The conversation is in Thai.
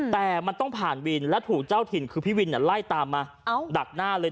แต่มันต้องผ่านวินและถูกเจ้าถิ่นคือพี่วินไล่ตามมาดักหน้าเลย